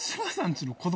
家の子供。